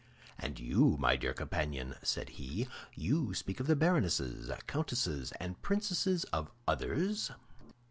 "And you, my dear companion," said he, "you speak of the baronesses, countesses, and princesses of others?"